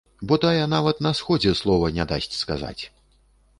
Бо тая нават на сходзе слова не дасць сказаць.